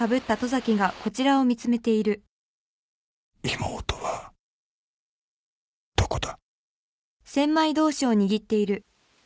妹はどこだ？